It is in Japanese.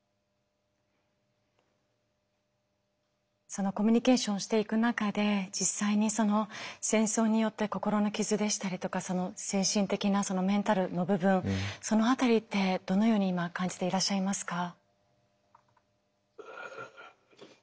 そのコミュニケーションをしていく中で実際に戦争によって心の傷でしたりとか精神的なメンタルの部分その辺りってどのように今感じていらっしゃいますか？